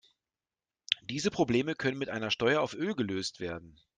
Diese Probleme können mit einer Steuer auf Öl gelöst werden.